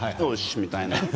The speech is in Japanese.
みたいな。